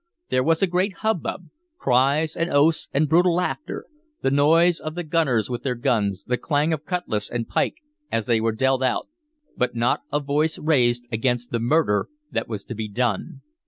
There was a great hubbub; cries and oaths and brutal laughter, the noise of the gunners with their guns, the clang of cutlass and pike as they were dealt out, but not a voice raised against the murder that was to be done.